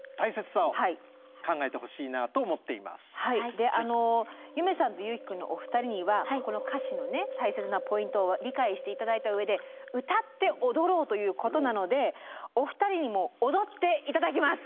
であの夢さんと優樹君のお二人にはこの歌詞のね大切なポイントを理解していただいた上で歌って踊ろうということなのでお二人にも踊っていただきます。